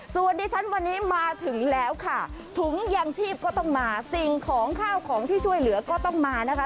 ส่วนดิฉันวันนี้มาถึงแล้วค่ะถุงยางชีพก็ต้องมาสิ่งของข้าวของที่ช่วยเหลือก็ต้องมานะคะ